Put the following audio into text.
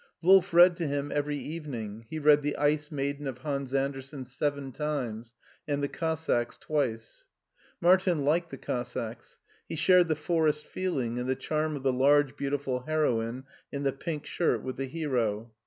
Wolf read to him every evening; he read the "Ice Maiden of Hans Andersen seven times and "The Cossacks" twice. Martin liked " The Cossacks." He shared the forest feeling and the charm of the large beautiful heroine in the pink shirt with the hero.